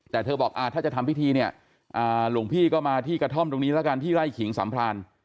แต่เธอบอกถ้าจะทำพิธีเนี่ยหลวงพี่ก็มาที่กระท่อมตรงนี้แล้วกันที่ไร่ขิงสัมพราน